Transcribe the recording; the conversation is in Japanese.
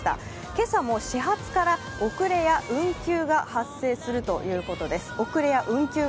今朝も始発から遅れや運休が発生するということです。